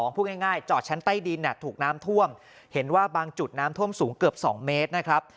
พูดง่ายจอดชั้นใต้ดินถูกน้ำท่วมเห็นว่าบางจุดน้ำท่วมสูงเกือบ๒เมตรนะครับ